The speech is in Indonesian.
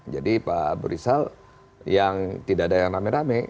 jadi pak abu rizal yang tidak ada yang rame rame